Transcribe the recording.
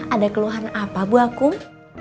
ada keluhan apa bu akung